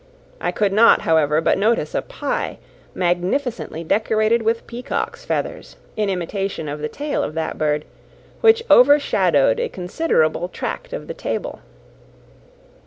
I could not, however, but notice a pie, magnificently decorated with peacocks' feathers, in imitation of the tail of that bird, which overshadowed a considerable tract of the table.